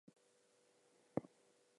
The school emblem was modified.